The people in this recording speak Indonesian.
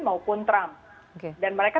maupun trump dan mereka